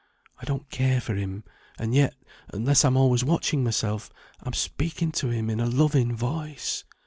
I don't care for him, and yet, unless I'm always watching myself, I'm speaking to him in a loving voice.